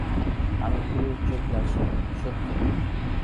আমি খুবই উচ্চাভিলাষী, সত্যি।